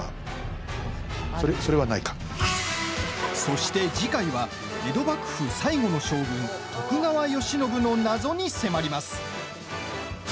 そして次回は、江戸幕府最後の将軍徳川慶喜の謎に迫ります。